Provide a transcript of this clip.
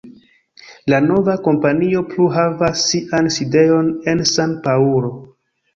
La nova kompanio plu havas sian sidejon en San-Paŭlo.